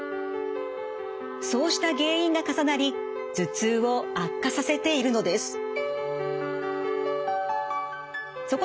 そうした原因が重なり頭痛を悪化させているのです。